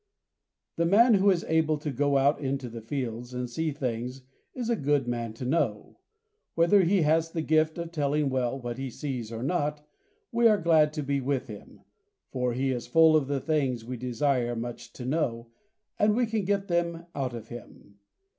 The man who is able to go out into the fields and see things is a good man to know. Whether he has the gift of telling well what he sees or not, we are glad to be with him, for he is full of the things we desire much to know, and we can get them out of him.